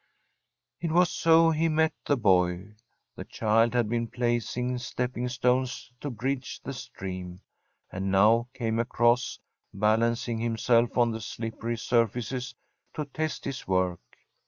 It was so he met the boy. The child had been placing stepping stones to bridge the stream, and now came across, balancing himself on the slippery surfaces to test his work.